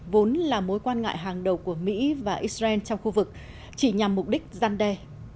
vốn là mối quan ngại hàng đầu của mỹ và israel trong khu vực chỉ nhằm mục đích gian đe